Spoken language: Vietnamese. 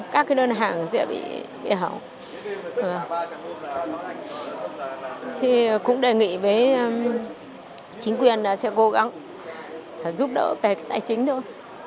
cũng đề nghị với chính quyền sẽ cố gắng giúp đỡ về tài chính thôi